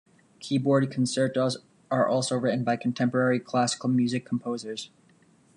Keyboard concertos are also written by contemporary classical music composers.